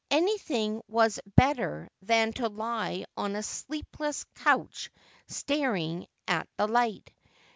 Anything was bet ter than to lie on a sleepless couch staring at the light.